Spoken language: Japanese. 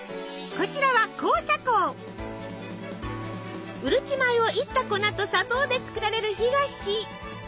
こちらはうるち米をいった粉と砂糖で作られる干菓子。